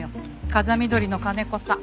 風見鶏の金子さん。